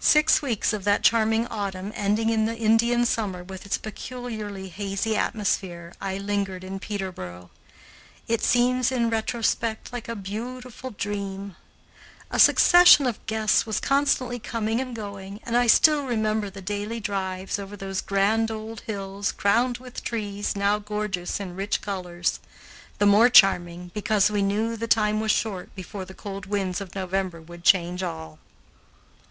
Six weeks of that charming autumn, ending in the Indian summer with its peculiarly hazy atmosphere, I lingered in Peterboro. It seems in retrospect like a beautiful dream. A succession of guests was constantly coming and going, and I still remember the daily drives over those grand old hills crowned with trees now gorgeous in rich colors, the more charming because we knew the time was short before the cold winds of November would change all.